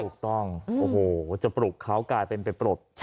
ถูกต้องโอ้โหจะปลุกเค้ากลายเป็นเป็นปฏิบัน